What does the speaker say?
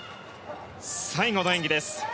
最後の演技です。